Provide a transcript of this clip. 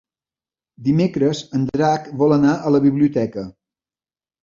Dimecres en Drac vol anar a la biblioteca.